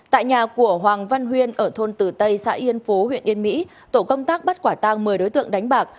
tại nhà của hoàng văn huyên ở thôn tử tây xã yên phú huyện yên mỹ tổ công tác bắt quả tang một mươi đối tượng đánh bạc